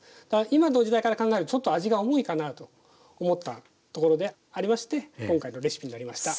今の時代から考えるとちょっと味が重いかなと思ったところでありまして今回のレシピになりました。